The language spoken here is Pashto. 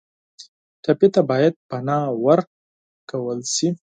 ټپي ته باید پناه ورکړل شي.